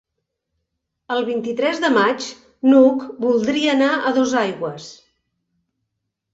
El vint-i-tres de maig n'Hug voldria anar a Dosaigües.